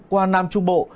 qua nam trung bộ